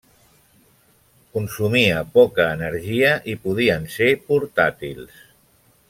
Consumia poca energia i podien ser portàtils.